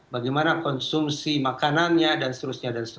bagaimana konsumsi makanannya dan seterusnya